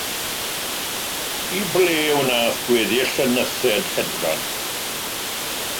I ble wnaeth gweddill y nythaid hedfan?